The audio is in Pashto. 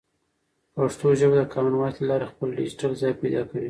پښتو ژبه د کامن وایس له لارې خپل ډیجیټل ځای پیدا کوي.